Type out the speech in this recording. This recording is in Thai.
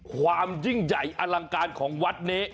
ความยิ่งใหญ่อลังการของวัดนี้